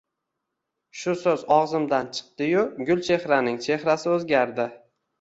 Shu so`z og`zimdan chiqdi-yu, Gulchehraning chehrasi o`zgardi